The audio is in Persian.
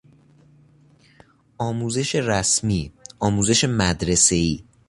آموزش رسمی، آموزش مدرسهای